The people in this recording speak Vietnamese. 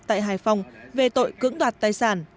tại hải phòng về tội cưỡng đoạt tài sản